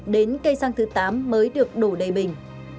đến cây xăng thứ tám mới được đổ đầy bình